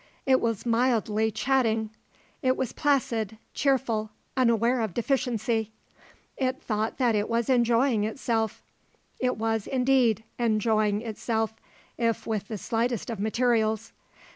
It was mildly chatting. It was placid, cheerful, unaware of deficiency. It thought that it was enjoying itself. It was, indeed, enjoying itself, if with the slightest of materials.